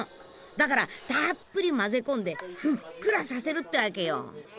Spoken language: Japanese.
だからたっぷり混ぜ込んでふっくらさせるってわけよ。